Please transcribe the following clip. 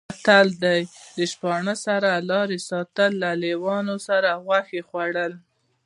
متل دی: د شپانه سره لارې ساتل، له لېوانو سره غوښې خوړل